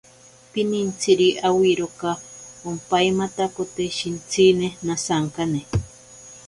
Pinintsiri awiroka ompaimatakote shintsine nasankane.